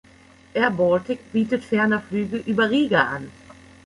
Air Baltic bietet ferner Flüge über Riga an.